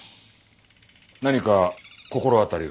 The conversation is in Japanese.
何か心当たりが？